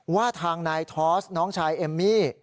ว่าทางนายทอสน้องชายเอมมี่